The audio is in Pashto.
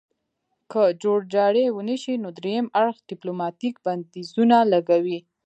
که جوړجاړی ونشي نو دریم اړخ ډیپلوماتیک بندیزونه لګوي